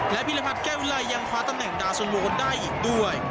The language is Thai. และพิริพัฒน์แก้วิลัยยังคว้าตะแหน่งดาสนโลกด้ายอีกด้วย